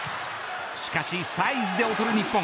しかし、サイズで劣る日本。